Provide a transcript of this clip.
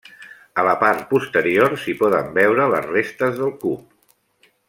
A la part posterior s'hi poden veure les restes del cup.